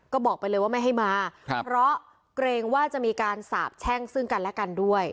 ก็บอกไปเลยว่าไม่ให้มาครับเพราะเกรงว่าจะมีการสาบแช่งซึ่งกันและกันด้วย